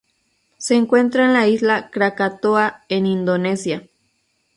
Se encuentra en la isla Krakatoa en Indonesia.